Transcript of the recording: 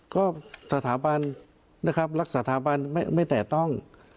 ก็สถาบันนะครับรักษาสถาบันไม่แตะต้อง